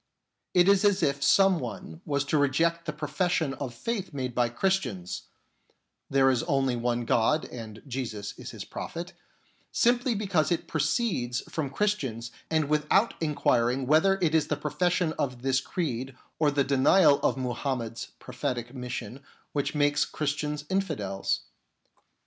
It is as if some one was to reject the profession of faith made by Christians, " There is only one God 36 HOW TO DEAL WITH HERETICS and Jesus is His prophet," simply because it proceeds from Christians and without inquiring whether it is the profession of this creed or the denial of Muhammed's prophetic mission which makes Christians infidels.